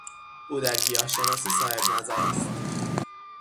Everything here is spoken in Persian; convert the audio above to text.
او در گیاهشناسی صاحب نظر است.